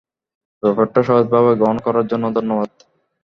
ব্যাপারটা সহজভাবে গ্রহণ করার জন্য ধন্যবাদ।